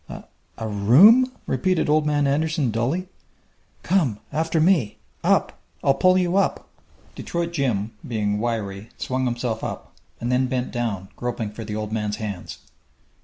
"A a room?" repeated Old Man Anderson dully. "Come! After me! Up! I'll pull you up!" Detroit Jim, being wiry, swung himself up, and then bent down, groping for the old man's hands.